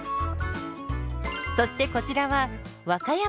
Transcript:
そしてこちらは和歌山県。